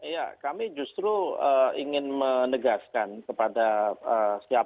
ya kami justru ingin menegaskan kepada siapa pun pihak yang mengatakan